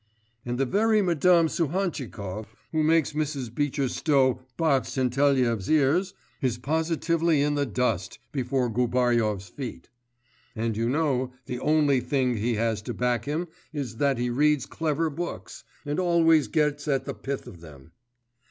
And the very Madame Suhantchikov, who makes Mrs. Beecher Stowe box Tentelyev's ears, is positively in the dust before Gubaryov's feet. And you know the only thing he has to back him is that he reads clever books, and always gets at the pith of them.